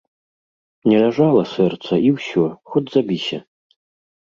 Не ляжала сэрца і ўсё, хоць забіся.